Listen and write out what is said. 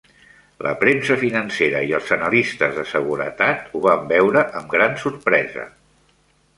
La premsa financera i els analistes de seguretat ho van veure amb gran sorpresa.